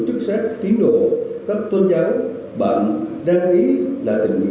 chống dịch như chống giặc với những hành động cao đẹp đầy tính nhân ái